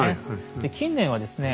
で近年はですね